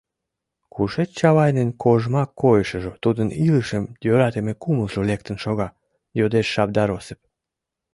«Кушеч Чавайнын кожмак койышыжо, тудын илышым йӧратыме кумылжо лектын шога?» — йодеш Шабдар Осып.